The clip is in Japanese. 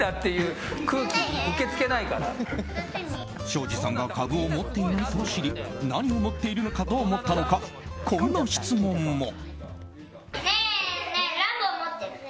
庄司さんが株を持っていないと知り何を持っていると思ったのかこんな質問も。